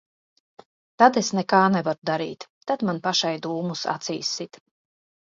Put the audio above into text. Tad es nekā nevaru darīt. Tad man pašai dūmus acīs sit.